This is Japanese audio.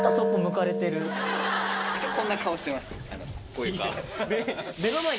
こういう顔。